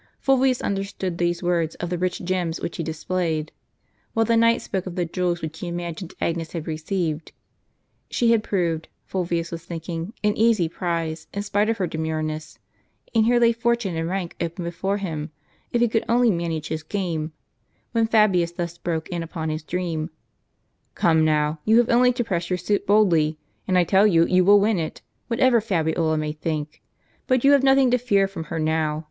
Fulvius understood these words of the rich gems which he displayed ; while the knight spoke of the jewels which he imagined Agnes had received. She had proved, Fulvius was thinking, an easy prize, in spite of her demureness ; and here lay fortune and rank open before him, if he could only manage his game; when Fabius thus broke in uj^on his dream: " Come now, you have only to press your suit boldly ; and I tell you, you will win it, whatever Fabiola may think. But you have nothing to fear from her now.